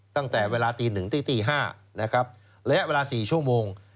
ตั้งแต่เวลาตีหนึ่งตีห้าระยะเวลา๔ชั่วโมง